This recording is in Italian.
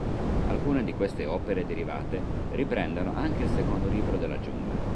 Alcune di queste opere derivate riprendono anche il Secondo Libro della Giungla.